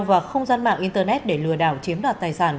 và không gian mạng internet để lừa đảo chiếm đoạt tài sản